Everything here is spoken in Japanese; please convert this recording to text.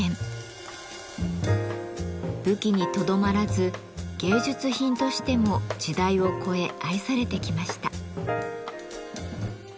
武器にとどまらず芸術品としても時代を越え愛されてきました。